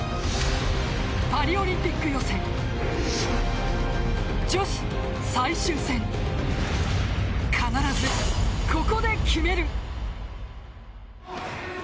パリオリンピック予選女子最終戦必ずココで、決める。